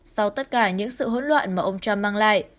sau tất cả những sự hỗn loạn mà ông trump mang lại